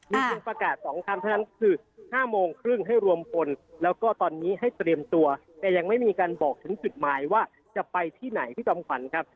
มีเพียงประกาศ๒คำเท่านั้นคือ๕โมงครึ่งให้รวมคนแล้วก็ตอนนี้ให้เตรียมตัวแต่ยังไม่มีการบอกถึงจุดหมายว่าจะไปที่ไหนพี่จอมขวัญครับ